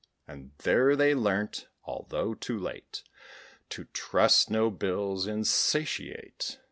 ] And there they learnt, although too late, To trust no bills insatiate.